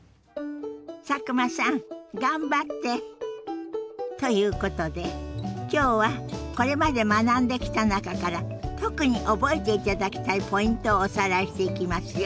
佐久間さん頑張って！ということで今日はこれまで学んできた中から特に覚えていただきたいポイントをおさらいしていきますよ。